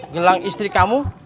gelang istri kamu